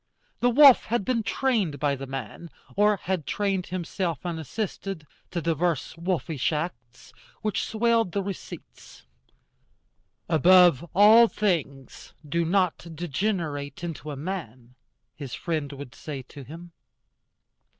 The wolf had been trained by the man, or had trained himself unassisted, to divers wolfish arts, which swelled the receipts. "Above all things, do not degenerate into a man," his friend would say to him.